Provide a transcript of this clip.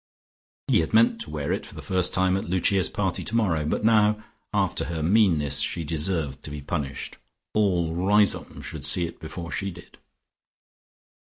He had meant to wear it for the first time at Lucia's party tomorrow, but now, after her meanness, she deserved to be punished. All Riseholme should see it before she did.